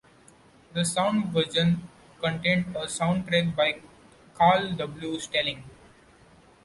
The sound version contained a soundtrack by Carl W. Stalling.